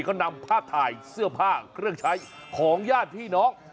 ก็นำภาพถ่ายเสื้อผ้าเครื่องใช้ของญาติพี่น้อง